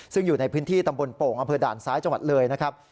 ซึ่งอยู่ในพื้นที่ตำบลโป่งอำเภอด่านซ้ายจังหวัดเลยนะครับ